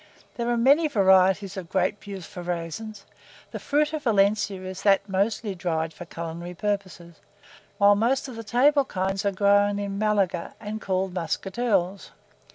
There are many varieties of grape used for raisins; the fruit of Valencia is that mostly dried for culinary purposes, whilst most of the table kinds are grown in Malaga, and called Muscatels.